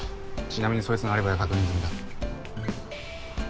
ちなみにそいつのアリバイは確認済みだ。